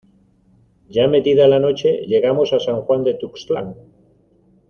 ya metida la noche llegamos a San Juan de Tuxtlan.